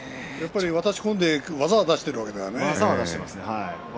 渡し込んでばたばたしているわけだからね。